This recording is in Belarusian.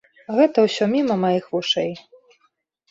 Гэта ўсё міма маіх вушэй.